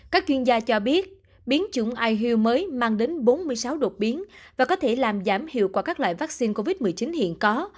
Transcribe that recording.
các chuyên gia cho biết biến chủng ihu mới mang đến bốn mươi sáu đột biến và có thể làm giảm hiệu quả các loại vaccine covid một mươi chín hiện có